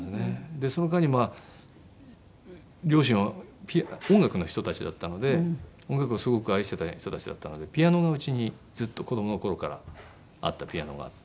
でその間に両親は音楽の人たちだったので音楽をすごく愛してた人たちだったのでピアノが家にずっと子供の頃からあったピアノがあって。